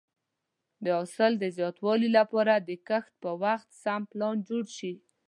د حاصل د زیاتوالي لپاره د کښت په وخت سم پلان جوړ شي.